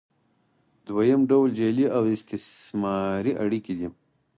دویم ډول جعلي او استثماري اړیکې دي.